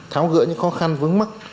tháo gỡ những khó khăn vướng mắt